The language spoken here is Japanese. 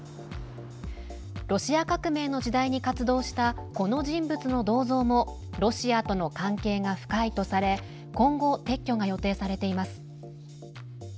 ロシア革命の時代に活動したこの人物の銅像もロシアとの関係が深いとされ今後、撤去が予定されています。